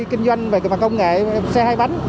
kinh doanh và công nghệ xe hai bánh